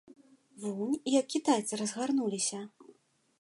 Вунь як кітайцы разгарнуліся!